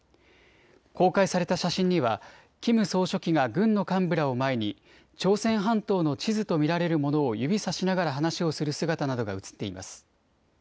公開された写真にはキム総書記が軍の幹部らを前に朝鮮半島の地図と見られるものを指さしながら話をする姿などが写っています。